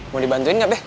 mau dibantuin gak be